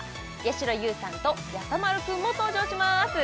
しろ優さんとやさ丸君も登場します